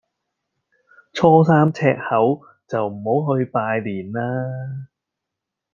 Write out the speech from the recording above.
初三赤口就唔好去拜年啦